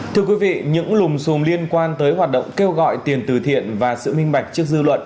thưa quý vị những lùm xùm liên quan tới hoạt động kêu gọi tiền từ thiện và sự minh bạch trước dư luận